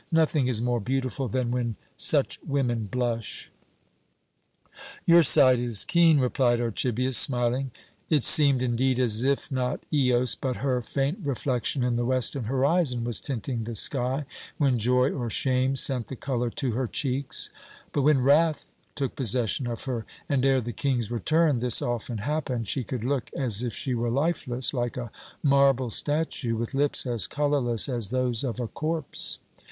Nothing is more beautiful than when such women blush." "Your sight is keen," replied Archibius, smiling. "It seemed indeed as if not Eos, but her faint reflection in the western horizon, was tinting the sky, when joy or shame sent the colour to her cheeks, But when wrath took possession of her and ere the King's return this often happened she could look as if she were lifeless, like a marble statue, with lips as colourless as those of a corpse.